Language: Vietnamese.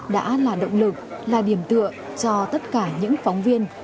đã là động lực là điểm tựa cho tất cả những phóng viên